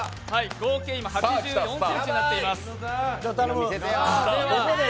合計今８４ｃｍになっています。